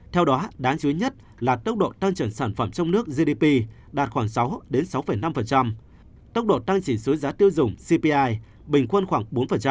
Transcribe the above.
theo đó đáng chú ý nhất là tốc độ tăng trưởng sản phẩm trong nước gdp đạt khoảng sáu sáu năm tốc độ tăng chỉ số giá tiêu dùng cpi bình quân khoảng bốn